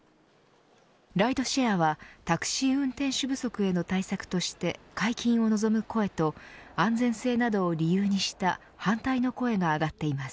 ライドシェアはタクシー運転手不足への対策として解禁を望む声と安全性などを理由にした反対の声が上がっています。